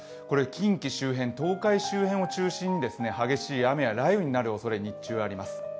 近畿周辺、東海周辺を中心に激しい雨や雷雨になるおそれが日中、あります。